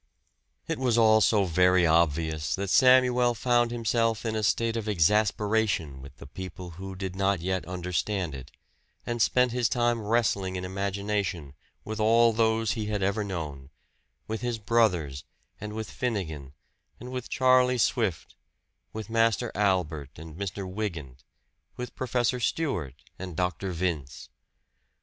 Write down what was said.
It was all so very obvious that Samuel found himself in a state of exasperation with the people who did not yet understand it, and spent his time wrestling in imagination with all those he had ever known: with his brothers, and with Finnegan, and with Charlie Swift, with Master Albert and Mr. Wygant, with Professor Stewart and Dr. Vince.